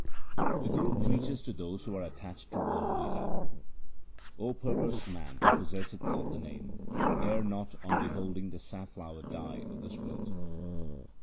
The Guru preaches to those who are attached to worldly love :— O perverse man who possesseth not the Name, err not on beholding the safnower dye of this world.